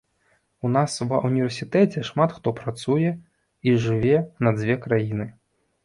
У нас ва ўніверсітэце шмат хто працуе і жыве на дзве краіны.